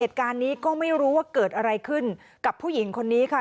เหตุการณ์นี้ก็ไม่รู้ว่าเกิดอะไรขึ้นกับผู้หญิงคนนี้ค่ะ